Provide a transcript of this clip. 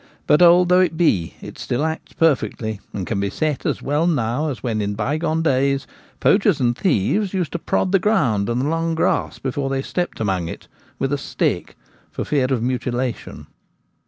But, did though it be, it still acts perfectly, and can be 'set ' as well now as when in bygone days poachers and thieves used to prod the ground and the long grass, before they stepped among it, with a stick, for fear of mutilation.